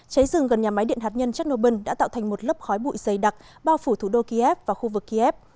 cháy rừng gần nhà máy điện hạt nhân chernobyl đã tạo thành một lớp khói bụi dày đặc bao phủ thủ đô kiev và khu vực kiev